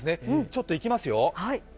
ちょっと行きますよ。